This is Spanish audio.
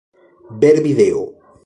Ver Video